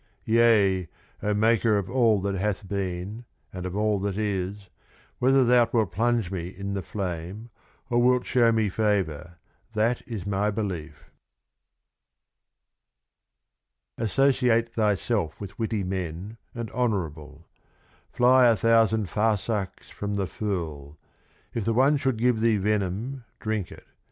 Yea, o Maker of all that hath been, and of all that is, whether Thou wilt plunge me in the Flame, or wilt show me Favour, that is my Belief. (222) Associate thyself with witty Men, and honourable. Fly a thousand Farsakhs from the Fool. If the one should give thee Venom, drink it.